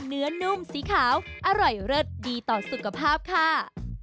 นุ่มสีขาวอร่อยเลิศดีต่อสุขภาพค่ะ